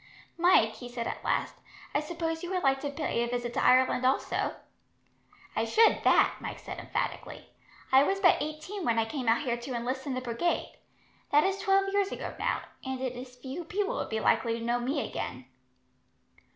"Mike," he said at last, "I suppose you would like to pay a visit to Ireland, also?" "I should that," Mike said, emphatically. "I was but eighteen when I came out here to enlist in the brigade that is twelve years ago now, and it is few people would be likely to know me again."